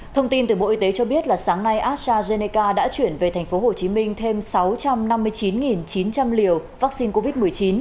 thông tin từ bộ y tế cho biết là sáng nay astrazeneca đã chuyển về tp hcm thêm sáu trăm năm mươi chín chín trăm linh liều vaccine covid một mươi chín